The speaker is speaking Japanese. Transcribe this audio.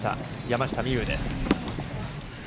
山下美夢有です。